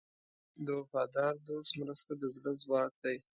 د وفادار دوست مرسته د زړه ځواک دی.